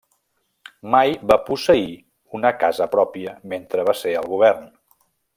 Mai va posseir una casa pròpia mentre va ser al govern.